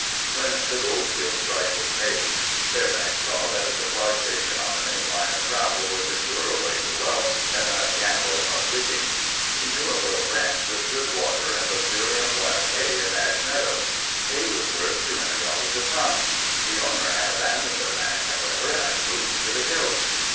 When the Goldfield strike was made, Fairbanks saw that a supply station on the main line of travel was a surer way to wealth than the gamble of digging. He knew of a ranch with good water and luxuriant wild hay at Ash Meadows. Hay was worth $200 a ton. The owner had abandoned the ranch, however, and moved into the hills.